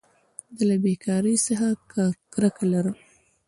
زه له بېکارۍ څخه کرکه لرم.